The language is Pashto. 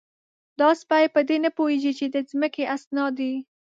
_دا سپۍ په دې نه پوهېږي چې د ځمکې اسناد دي؟